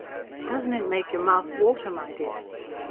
Doesn't it make your mouth water, my dear?"